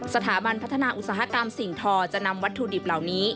สถาบันพัฒนาอุตสาหกรรมสิ่งทอจะนำวัตถุดิบเหล่านี้